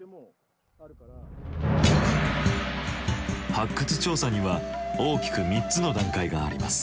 発掘調査には大きく３つの段階があります。